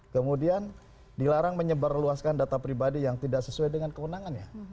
kemudian dilarang menyebarluaskan data pribadi yang tidak sesuai dengan kewenangannya